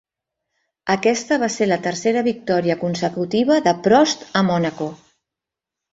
Aquesta va ser la tercera victòria consecutiva de Prost a Mònaco.